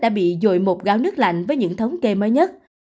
đã bị dồi một gáo nước lạnh với những thống kê mới nhất